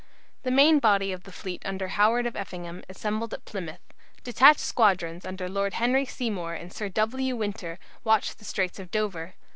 The main body of the fleet under Howard of Effingham assembled at Plymouth. Detached squadrons under Lord Henry Seymour and Sir W. Winter watched the Straits of Dover.